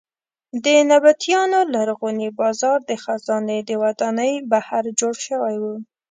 د نبطیانو لرغونی بازار د خزانې د ودانۍ بهر جوړ شوی و.